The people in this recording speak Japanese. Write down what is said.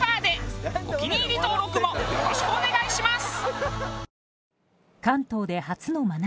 お気に入り登録もよろしくお願いします。